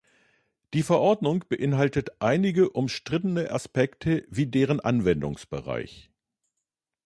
Die Verordnung beinhaltet einige umstrittene Aspekte wie deren Anwendungsbereich.